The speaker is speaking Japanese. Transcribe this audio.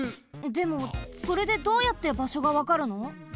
でもそれでどうやってばしょがわかるの？